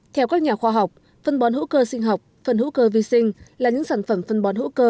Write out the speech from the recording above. theo các nhà khoa học phân bón hữu cơ sinh học phân hữu cơ vi sinh là những sản phẩm phân bón hữu cơ